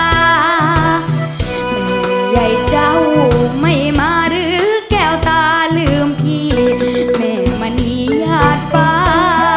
เมื่อยัยเจ้าไม่มารึแก้วตาลืมที่แม่มณีหยาดฟ้า